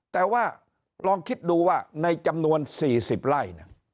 แต่ว่าลองคิดดูว่าในจำนวน๔๐ไร่